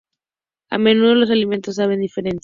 A menudo, los alimentos saben diferente.